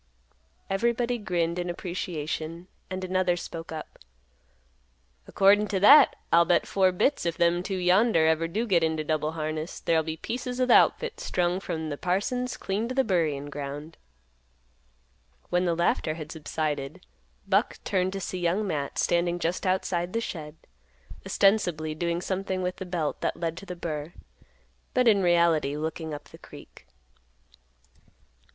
Everybody grinned in appreciation, and another spoke up; "According t' that, I'll bet four bits if them two yonder ever do get into double harness, there'll be pieces o' th' outfit strung from th' parson's clean t' th' buryin' ground." When the laughter had subsided, Buck turned to see Young Matt standing just outside the shed, ostensibly doing something with the belt that led to the burr, but in reality looking up the creek.